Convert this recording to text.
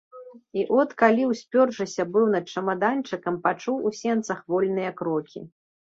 І от калі ўспёршыся быў над чамаданчыкам, пачуў у сенцах вольныя крокі.